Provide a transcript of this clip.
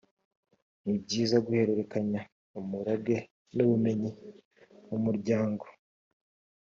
ni byiza guhererekanya umurage n’ubumenyi mu muryango